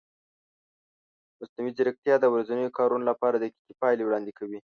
مصنوعي ځیرکتیا د ورځنیو کارونو لپاره دقیقې پایلې وړاندې کوي.